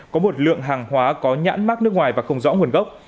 có một lượng hàng hóa có nhãn mát nước ngoài và không rõ nguồn gốc